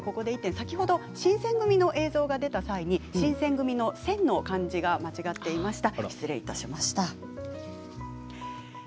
先ほど「新選組！」の映像が出た際に選の漢字が間違っていました。